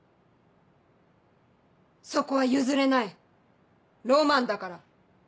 そこは譲れないロマンだから。